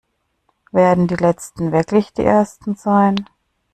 Werden die Letzten wirklich die Ersten sein?